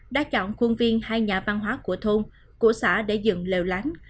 đã chọn khuôn viên hai nhà văn hóa của thôn của xã để dựng lèo lãng